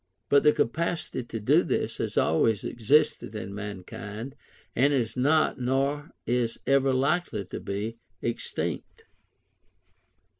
But the capacity to do this has always existed in mankind, and is not, nor is ever likely to be, extinct.